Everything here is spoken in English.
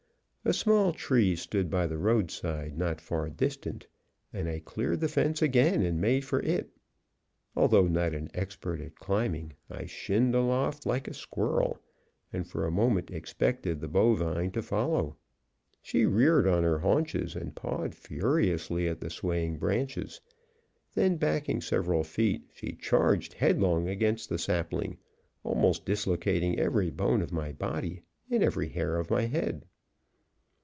A small tree stood by the roadside not far distant, and I cleared the fence again and made for it. Although not an expert at climbing, I shinned aloft like a squirrel, and for a moment expected the bovine to follow. She reared on her haunches, and pawed furiously at the swaying branches; then, backing several feet, she charged headlong against the sapling, almost dislocating every bone of my body and every hair of my head.